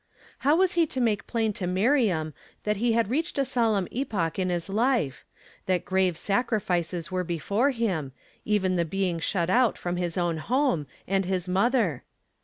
How was he to make plain to Miriam that he had reached a solemn epoch in his life; that grave sacrifices were before him, even the being shut out from his own home and his mother?